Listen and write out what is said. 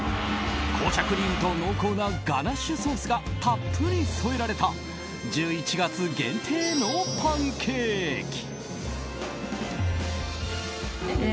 紅茶クリームと濃厚なガナッシュソースがたっぷり添えられた１１月限定のパンケーキ。